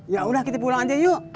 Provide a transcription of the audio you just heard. ya udah kita pulang aja yuk